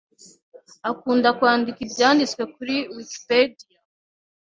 Akunda kwandika ibyanditswe kuri Wikipedia.